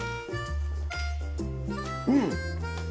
うん！